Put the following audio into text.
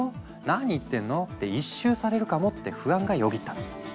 何言ってんの？」って一蹴されるかもって不安がよぎったの。